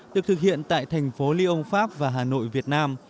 được thực hiện tại thành phố lyon pháp và hà nội việt nam